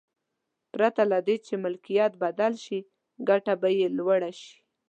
پرته له دې چې ملکیت بدل شي ګټه به یې لوړه شي.